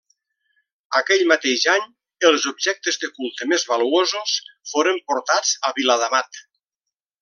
Aquell mateix any, els objectes de culte més valuosos foren portats a Viladamat.